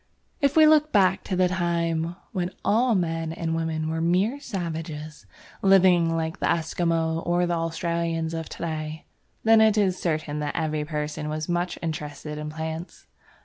If we look back to the time when all men and women were mere savages, living like the Esquimaux or the Australians of to day, then it is certain that every person was much interested in plants.